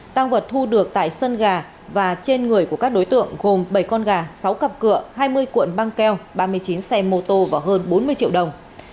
tăng vật thu được tại sân gà và trên người của các đối tượng gồm bảy con gà sáu cặp cửa hai mươi cuộn băng keo ba mươi chín xe mô tô và hơn bốn mươi triệu đồng